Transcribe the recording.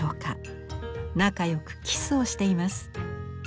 仲よくキスをしています。